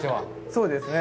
そうですね。